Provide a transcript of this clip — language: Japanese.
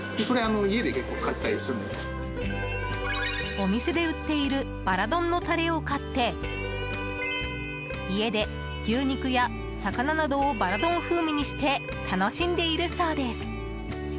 お店で売っているバラ丼のタレを買って家で、牛肉や魚などをバラ丼風味にして楽しんでいるそうです。